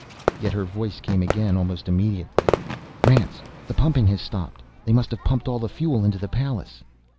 Yet her voice came again almost immediately. "Rance, the pumping has stopped! They must have pumped all the fuel into the Pallas!"